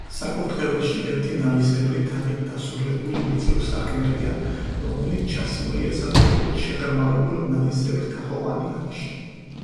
საკურთხეველში ერთი, ნალისებრი თაღით დასრულებული, ვიწრო სარკმელია, რომელიც ჩასმულია საფეხურით შეღრმავებულ, ნალისებრთაღოვანი არეში.